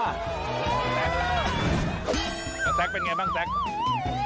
ซัทเป็นไงบ้างซัท